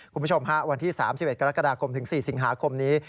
คุณผู้ชมฮะวันที่๓๑กรกฎาคมถึง๔สิงหาคมนี้